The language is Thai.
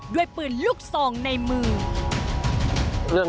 ด้วยปืนลูกซองในมือ